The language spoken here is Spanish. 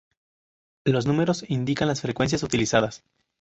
Los números indican las frecuencias utilizadas.